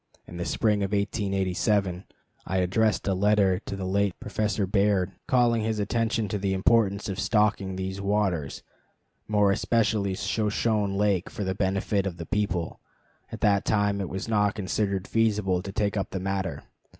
In the spring of 1887 I addressed a letter to the late Professor Baird, calling his attention to the importance of stocking these waters, more especially Shoshone Lake, for the benefit of the people. At that time it was not considered feasible to take up the matter.